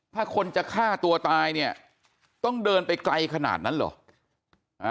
ถ้าคนจะฆ่าตัวตายเนี่ยต้องเดินไปไกลขนาดนั้นเหรอ